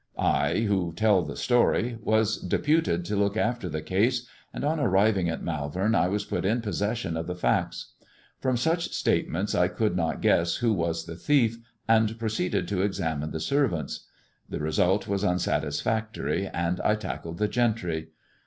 I (who tell the story) wbb puted to look after the case, and on arriving at Malvent^ was put in possession of the facts. From such stal I could not guess who was the thief, and proceeded examine the servants. The result was unsatisfactory, and I tackled the gentry.